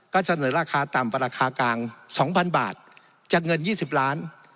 ก็เสนอราคาต่ำกว่าราคากลาง๒๐๐๐บาทจากเงิน๒๐ล้าน